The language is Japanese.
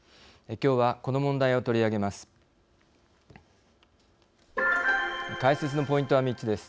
きょうはこの問題をとりあげます。